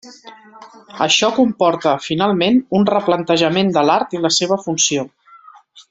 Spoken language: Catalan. Això comporta, finalment, un replantejament de l'art i la seva funció.